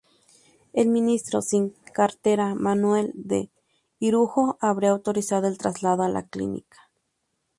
El ministro sin cartera Manuel de Irujo habría autorizado el traslado a la clínica.